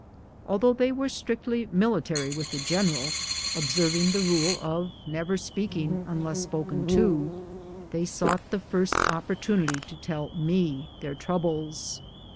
Though they were strictly military with tlie general, observing the rule of never speaking unless spoken to, they sought the first opportunity to tell me their troubles.